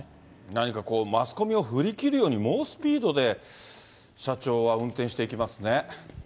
何かこう、マスコミを振り切るように、猛スピードで社長は運転していきますね。